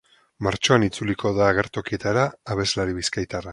Martxoan itzuliko da agertokietara abeslari bizkaitarra.